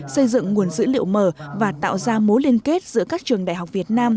xây dựng nguồn dữ liệu mở và tạo ra mối liên kết giữa các trường đại học việt nam